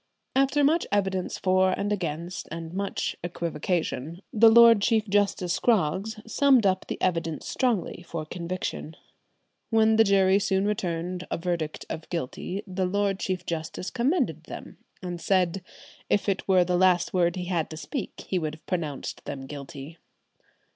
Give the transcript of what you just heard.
After much evidence for and against, and much equivocation, the Lord Chief Justice Scroggs summed up the evidence strongly for conviction. When the jury soon returned a verdict of guilty, the Lord Chief Justice commended them, and said if it were the last word he had to speak he would have pronounced them guilty.